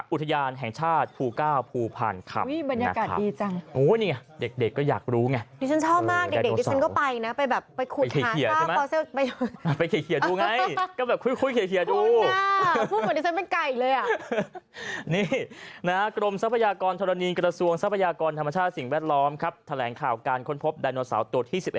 อุทยานแห่งชาติภูเกล้าภูพรรณครับบรรยากาศดีจังโอ้นี่เด็กก็อยากรู้ไงดิฉันชอบมากเด็กดิฉันก็ไปนะไปแบบไปขุดค้นพันธุ์ไปเขียนเขียนดูไงก็แบบคุยเขียนเขียนดูพูดเหมือนดิฉันเป็นไก่เลยอ่ะนี่นะกรมทรัพยากรธ